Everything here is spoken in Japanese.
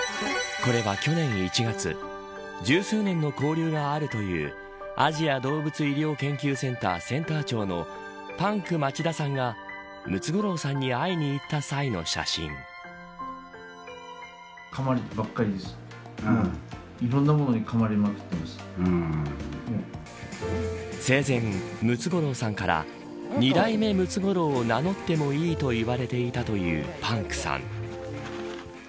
これは去年１月十数年の交流があるというアジア動物医療研究センターセンター長のパンク町田さんがムツゴロウさんに生前、ムツゴロウさんから２代目ムツゴロウを名乗ってもいいと言われていたというパンクさん。